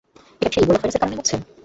এটা কি সেই ইবোলা ভাইরাসের কারণে হচ্ছে?